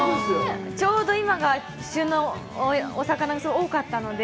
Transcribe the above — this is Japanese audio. ちょうど今が旬のお魚、すごい多かったので。